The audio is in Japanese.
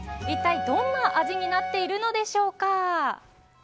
いったいどんな味になっているのでしょうか。